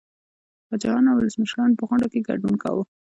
پاچاهانو او ولسمشرانو په غونډو کې ګډون کاوه